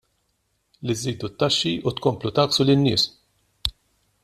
Li żżidu t-taxxi u tkomplu tgħakksu lin-nies!